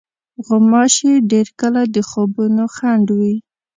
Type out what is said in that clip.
غوماشې ډېر کله د خوبونو خنډ وي.